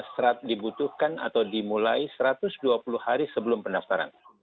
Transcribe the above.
serat dibutuhkan atau dimulai satu ratus dua puluh hari sebelum pendaftaran